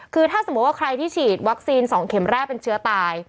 คือถ้าสมมุติว่าใครที่ฉีดวัคซีน๒เข็มแรกเป็นเชื้อตาย